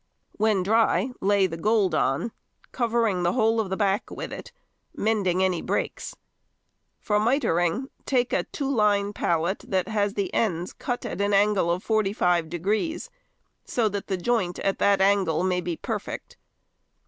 When dry, lay the gold on, covering the whole of the back with it, mending any breaks. For mitreing, take a two line pallet that has the ends cut at an angle of 45°, so that the joint at that angle may be perfect.